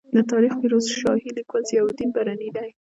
د تاریخ فیروز شاهي لیکوال ضیا الدین برني دی.